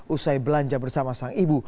usai belanja bersama sang ibu